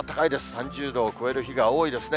３０度を超える日が多いですね。